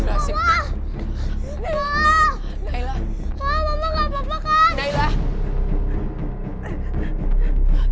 mama gak apa apa kak